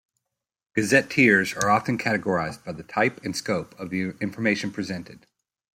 Gazetteers are often categorized by the type, and scope, of the information presented.